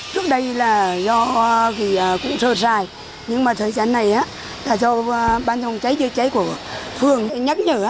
trước đây là do cũng sơ dài nhưng mà thời gian này là do ban phòng cháy chữa cháy của phường nhắc nhở